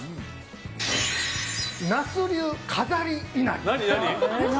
那須流飾りいなり。